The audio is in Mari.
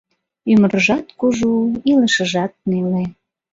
Ӱмыржат кужу, илышыжат неле